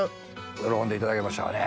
喜んでいただけましたかね？